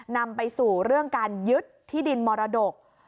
นำไปสู่เรื่องการยึดที่ดินมรดก